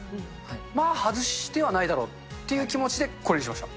まあ、外してはないだろうっていう気持ちでこれにしました。